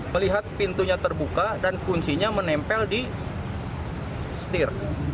melihat pintunya terbuka dan kuncinya menempel di setir